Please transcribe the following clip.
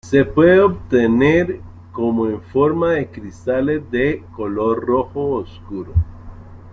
Se puede obtener como en forma de cristales de color rojo oscuro.